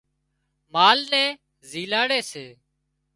مال نين زيلاڙي سي